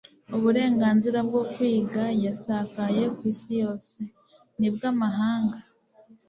uburengazira bwo kwiga yasakaye ku isi yose. ni bwo amahanga